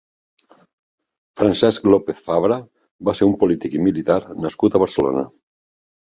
Francesc López Fabra va ser un polític i militar nascut a Barcelona.